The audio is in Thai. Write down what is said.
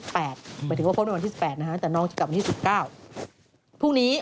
หมายถึงว่าพบในวันที่๑๘นะฮะแต่น้องจะกลับวันที่๑๙พรุ่งนี้